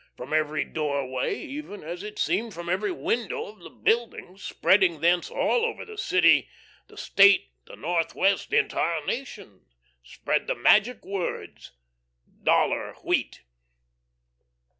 From every doorway, even, as it seemed, from every window of the building, spreading thence all over the city, the State, the Northwest, the entire nation, sped the magic words, "Dollar wheat."